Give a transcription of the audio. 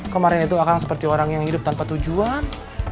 kemarin aku seperti orang yang hidup tanpa tujuan